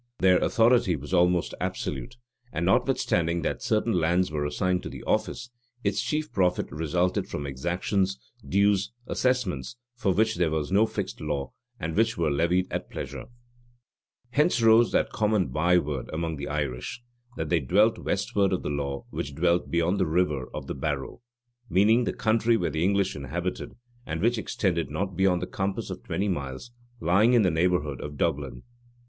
Their authority was almost absolute; and, notwithstanding that certain lands were assigned to the office, its chief profit resulted from exactions, dues, assessments, for which there was no fixed law, and which were levied at pleasure.[] * Sir John Davis, p. 166. Sir John Davis, p. 167 Sir John Davis, p. 173 Hence arose that common by word among the Irish, "That they dwelt westward of the law which dwelt beyond the river of the Barrow;" meaning the country where the English inhabited, and which extended not beyond the compass of twenty miles, lying in the neighborhood of Dublin.